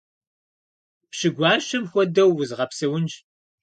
Пщы гуащэм хуэдэу узгъэпсэунущ.